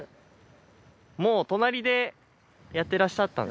もう隣でやってらっしゃったんですね。